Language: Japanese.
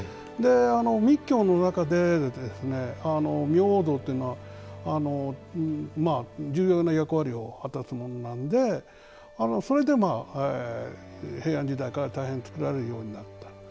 密教の中で明王像というのは重要な役割を果たすものなんでそれで平安時代から大変造られるようになった。